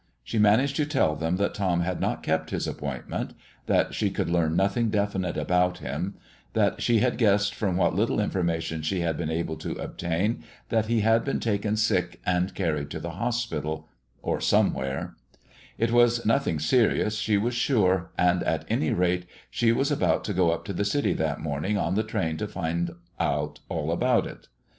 She managed to tell them that Tom had not kept his appointment that she could learn nothing definite about him that she had guessed from what little information she had been able to obtain, that he had been taken sick and carried to the hospital or somewhere; it was nothing serious, she was sure, and at any rate she was going up to the city that morning on the train to find out all about it.